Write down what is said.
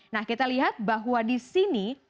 nah kita lihat bahwa di sini